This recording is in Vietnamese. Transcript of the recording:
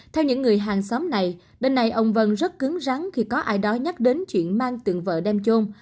theo những người hàng xóm này đêm nay ông vân rất cứng rắn khi có ai đó nhắc đến chuyện mang từng vợ đem chôn